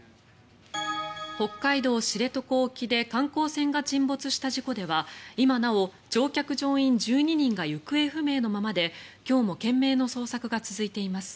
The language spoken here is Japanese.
北海道・知床沖で観光船が沈没した事故では今なお乗客・乗員１２人が行方不明のままで今日も懸命の捜索が続いています。